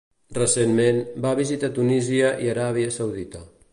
Recentment, va visitar Tunísia i Aràbia Saudita.